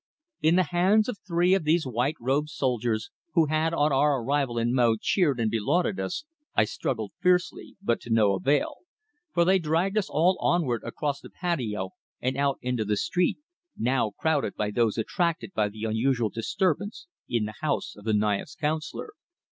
In the hands of three of these white robed soldiers, who had on our arrival in Mo cheered and belauded us, I struggled fiercely, but to no avail, for they dragged us all onward across the patio and out into the street, now crowded by those attracted by the unusual disturbance in the house of the Naya's councillor.